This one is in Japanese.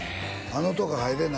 あんなとこ入れない